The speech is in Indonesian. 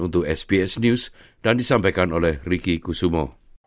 untuk sbs news dan disampaikan oleh ricky kusumo